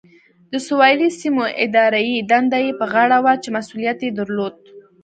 د سویلي سیمو اداري دنده یې په غاړه وه چې مسؤلیت یې درلود.